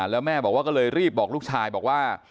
แล้วแม่บอกว่าก็เลยรีบบอกลูกชายบอกว่า